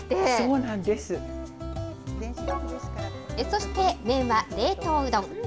そして麺は冷凍うどん。